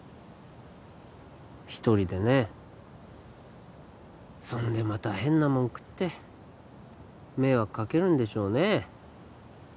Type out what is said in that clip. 一人でねそんでまた変なもん食って迷惑かけるんでしょうねえ